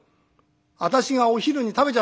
「私がお昼に食べちゃった」。